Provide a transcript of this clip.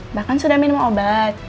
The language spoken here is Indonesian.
mbak kan sudah minum obat